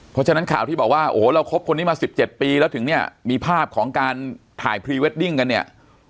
เพราะฉะนั้นข่าวที่บอกว่าโอ้โหเราคบคนนี้มา๑๗ปีแล้วถึงเนี่ยมีภาพของการถ่ายพรีเวดดิ้งกันเนี่ย